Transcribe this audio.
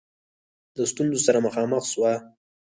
له ستونزو سره مخامخ سوه.